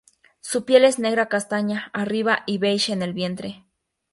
Su piel es negra castaña arriba, y beige en el vientre.